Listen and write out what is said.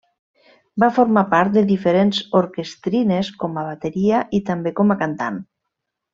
Va formar part de diferents orquestrines com a bateria i també com a cantant.